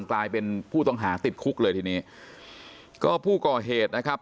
กลายเป็นผู้ต้องหาติดคุกเลยทีนี้ก็ผู้ก่อเหตุนะครับ